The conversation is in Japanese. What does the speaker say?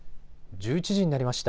１１時になりました。